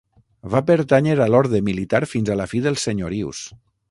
Va pertànyer a l'orde militar fins a la fi dels senyorius.